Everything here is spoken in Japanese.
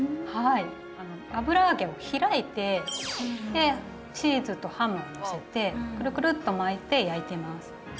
油揚げを開いてチーズとハムをのせてくるくるっと巻いて焼いてます。